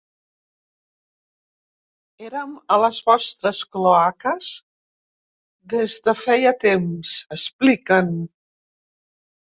Erem a les vostres cloaques des de feia temps, expliquen.